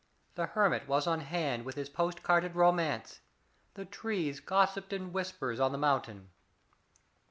The hermit was on hand with his postal carded romance. The trees gossiped in whispers on the mountain.